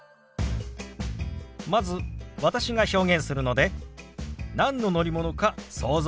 まず私が表現するので何の乗り物か想像してください。